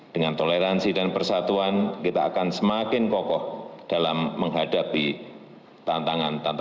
dengan toleransi dan persatuan kita akan semakin kokoh dalam menghadapi tantangan tantangan